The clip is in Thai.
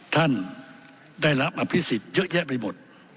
ท่านได้รับอภิษฎเยอะแยะไปหมด